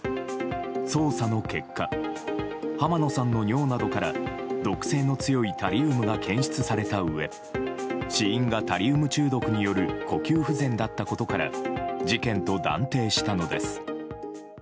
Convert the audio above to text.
捜査の結果浜野さんの尿などから毒性の強いタリウムが検出されたうえ死因がタリウム中毒による呼吸不全だったことから事件と断定したのです。